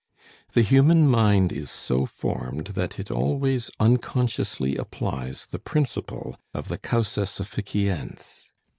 The human mind is so formed that it always unconsciously applies the principle of the causa sufficiens.